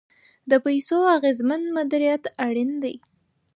د پیسو اغیزمن مدیریت اړین دی.